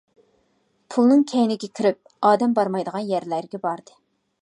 پۇلنىڭ كەينىگە كىرىپ، ئادەم بارمايدىغان يەرلەرگە باردى.